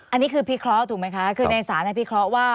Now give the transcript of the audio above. อันนี้คือพิเคราะห์ถูกไหมคะคือในศาลพิเคราะห์ว่า